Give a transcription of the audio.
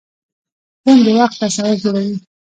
ذهن د وخت تصور جوړوي.